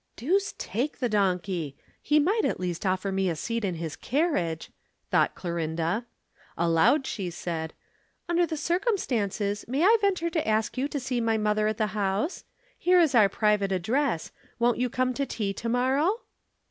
"Deuce take the donkey! He might at least offer me a seat in his carriage," thought Clorinda. Aloud she said: "Under the circumstances may I venture to ask you to see my mother at the house? Here is our private address. Won't you come to tea to morrow?"